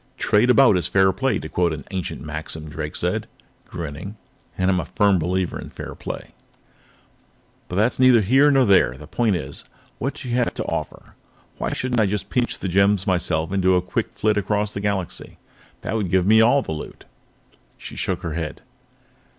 "Trade about is fair play, to quote an ancient maxim," Drake said, grinning. "And I am a firm believer in fair play. "But that's neither here nor there. The point is: what do you have to offer? Why shouldn't I just pinch the gems myself and do a quick flit across the Galaxy? That would give me all the loot." She shook her head.